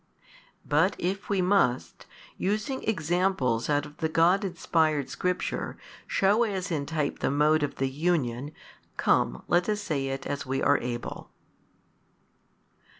But if we must, using examples out of the God inspired Scripture, shew as in type the mode of the union, come let us say it, as we are able.